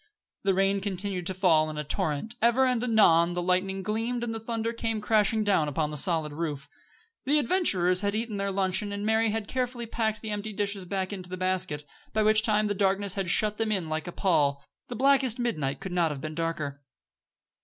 The rain continued to fall in a torrent, ever and anon the lightning gleamed and the thunder came crashing down upon the solid roof. The adventurers had eaten their luncheon and Mary had carefully packed the empty dishes back into the basket, by which time the darkness had shut them in like a pall. The blackest midnight could not have been darker.